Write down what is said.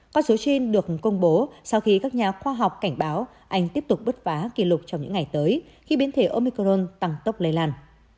con số trên được công bố sau khi các nhà khoa học cảnh báo anh tiếp tục bứt phá kỷ lục trong những ngày tới khi biến thể omicron tăng tốc lây lan